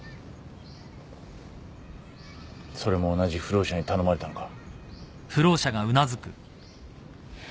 それも同じ浮浪者に頼まれたのか？